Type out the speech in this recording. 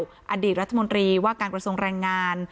อดีตรองนายยกรัฐมนตรีว่าการประสงค์แรงงาน